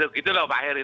gitu loh pak heri